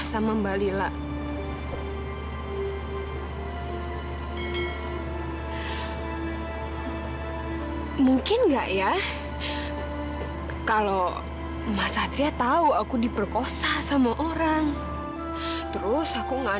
sampai jumpa di video selanjutnya